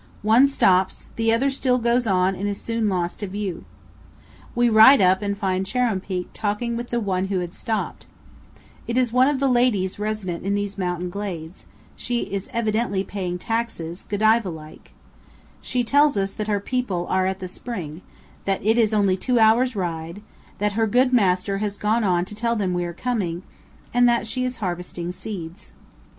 One stops; the other still goes on and is soon lost to view. We ride up and find Chuar'ruumpeak talking with the one who had stopped. It is one of the ladies resident in these mountain glades; she is evidently powell canyons 187.jpg THE WITCHES' WATER POCKET. 302 CANYONS OF THE COLORADO. paying taxes, Godiva like. She tells us that her people are at the spring; that it is only two hours' ride; that her good master has gone on to tell them we are coming; and that she is harvesting seeds.